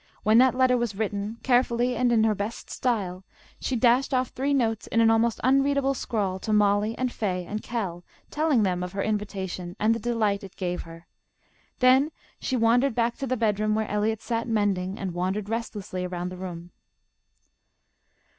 When that letter was written, carefully, and in her best style, she dashed off three notes in an almost unreadable scrawl, to Mollie and Fay and Kell, telling them of her invitation and the delight it gave her. Then she wandered back to the bedroom where Eliot sat mending, and wandered restlessly around the room.